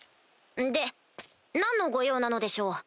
で何のご用なのでしょう？